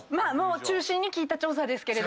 中心に聞いた調査ですけど。